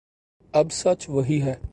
اب سچ وہی ہے